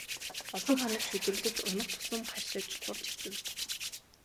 Олон хоног чөдөрлөж унах тусам харшиж турж эцнэ.